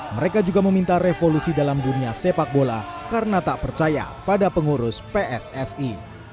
mereka juga meminta revolusi dalam dunia sepak bola karena tak percaya pada pengurus pssi